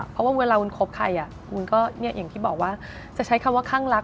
เพราะว่าเวลาวุ้นคบใครวุ้นก็อย่างที่บอกว่าจะใช้คำว่าข้างรัก